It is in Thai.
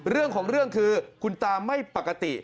เรื่องของเรื่องคือคุณตาไม่ปกติ